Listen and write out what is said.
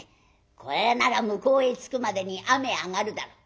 これなら向こうへ着くまでに雨上がるだろ」。